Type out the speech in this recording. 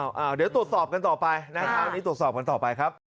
เดี๋ยวตรวจสอบกันต่อไปนะครับวันนี้ตรวจสอบกันต่อไปครับ